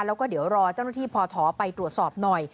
แล้วก็เดี๋ยวรอเจ้าหน้าที่พอถอไปตรวจสอบหน่อย